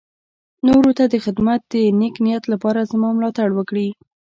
نورو ته د خدمت د نېک نيت لپاره زما ملاتړ وکړي.